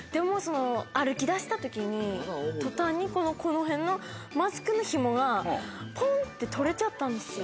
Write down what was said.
歩き出した時に、途端にこの辺のマスクの紐がポンって取れちゃったんですよ。